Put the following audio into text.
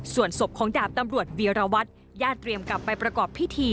ส่วนศพของดาบตำรวจวีรวัตรญาติเตรียมกลับไปประกอบพิธี